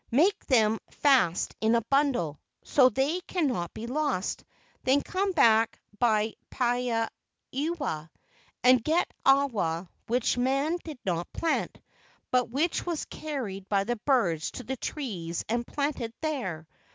Make them fast in a bundle, so they cannot be lost, then come back by Pana ewa and get awa which man did not plant, but which was carried by the birds to the trees and planted there.